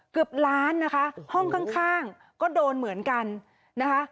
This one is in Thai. เกือบล้านนะคะห้องข้างก็โดนเหมือนกันนะคะ